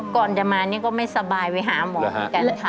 ก่อนจะมานี่ก็ไม่สบายไปหาหมอเหมือนกันค่ะ